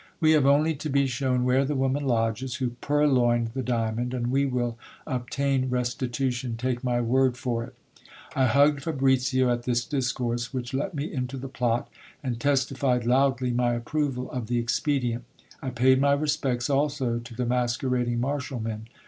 We have only to be shown where the woman lodges who purloined the diamond, and we will obtain restitution, take my word for it. I hugged P'abricio at this discourse, which let me into the plot, and testified loudly my approval of the expedient. I paid my respects also to the masquerading marshalmen.